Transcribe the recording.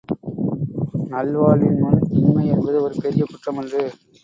நல்வாழ்வின் முன் இன்மை என்பது ஒரு பெரிய குற்றமன்று.